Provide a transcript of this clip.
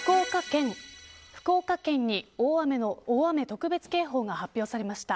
福岡県に大雨特別警報が発表されました。